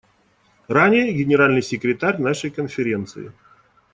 Ранее Генеральный секретарь нашей Конференции.